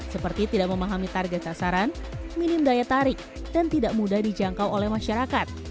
seperti tidak memahami target sasaran minim daya tarik dan tidak mudah dijangkau oleh masyarakat